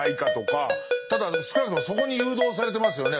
ただ少なくともそこに誘導されてますよね